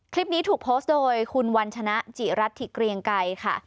คลิปนี้ถูกโพสต์โดยคุณวัญชนะจิรัตถิเกรียงไกรค่ะ